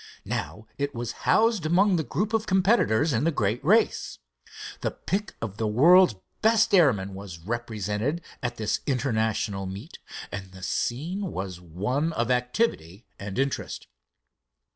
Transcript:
Now it was housed among the group of competitors in the great race. The pick of the world's best airmen was represented at this international meet, and the scene was one of activity and interest.